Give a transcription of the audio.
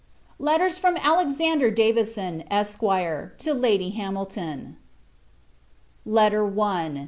LETTERS FROM ALEXANDER DAVISON, ESQ. TO LADY HAMILTON. LETTERS OF ALEX.